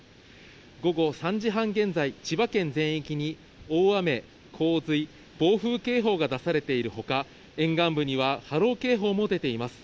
午後３時半現在、千葉県全域に、大雨、洪水、暴風警報が出されているほか、沿岸部には波浪警報も出ています。